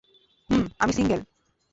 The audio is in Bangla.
হুম, আমি সিঙ্গেল।